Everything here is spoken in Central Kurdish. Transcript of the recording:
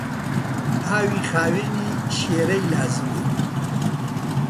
ئاوی خاوێنی شێرەی لازمە.